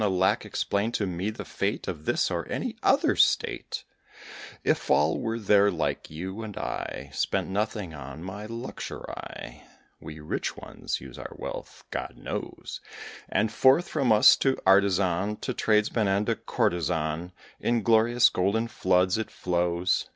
Alack! explain to me the fate Of this or any other State, If all were there like you, and I Spent nothing on my luxury? We rich ones use our wealth, God knows! And forth from us to artisan, To tradesman and to courtesan, In glorious golden floods it flows.